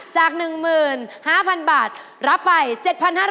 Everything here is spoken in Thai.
จาก๑๕๐๐๐บาทรับไป๗๕๐๐